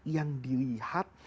yang dilihat adalah ridho allah